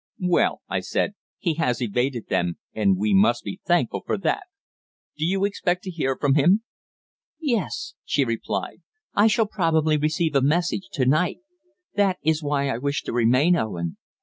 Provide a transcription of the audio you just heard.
'" "Well," I said, "he has evaded them, and we must be thankful for that. Do you expect to hear from him?" "Yes," she replied, "I shall probably receive a message to night. That is why I wish to remain, Owen.